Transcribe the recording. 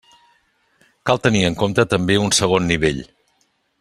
Cal tenir en compte, també, un segon nivell.